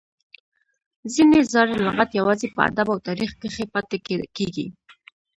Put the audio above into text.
ځینې زاړي لغات یوازي په ادب او تاریخ کښي پاته کیږي.